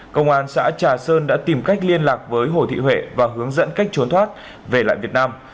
công an xã trà sơn đã tìm cách liên lạc với hồ thị huệ và hướng dẫn cách trốn thoát về lại việt nam